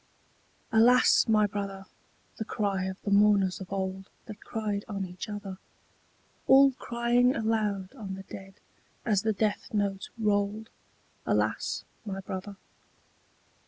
ALAS my brother! the cry of the mourners of old That cried on each other, All crying aloud on the dead as the death note rolled, Alas my brother!